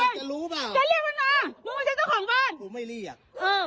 กูไม่เรียก